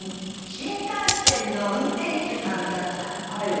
新幹線の運転手さんってね